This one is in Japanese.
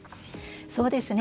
そうですね